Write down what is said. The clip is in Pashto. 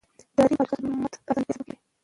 اداري مقررات د خدمت د اسانتیا سبب کېږي.